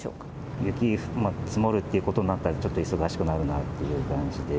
雪が積もるということになったら、ちょっと忙しくなるなという感じで。